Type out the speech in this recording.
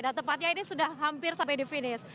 nah tepatnya ini sudah hampir sampai di finish